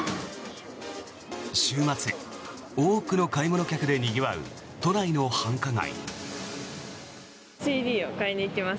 週末、多くの買い物客でにぎわう都内の繁華街。